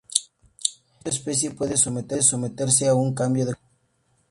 Esta especie puede someterse a un cambio de color.